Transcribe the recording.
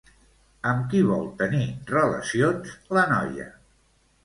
Amb qui vol tenir relacions la noia?